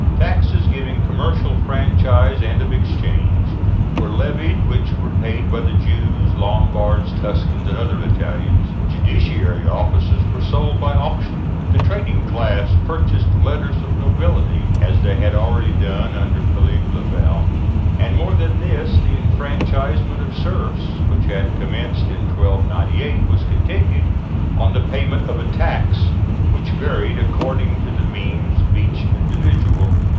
Taxes giving commercial franchise and of exchange were levied, which were paid by the Jews, Lombards, Tuscans, and other Italians; judiciary offices were sold by auction; the trading class purchased letters of nobility, as they had already done under Philippe le Bel; and, more than this, the enfranchisement of serfs, which had commenced in 1298, was continued on the payment of a tax, which varied according to the means of each individual.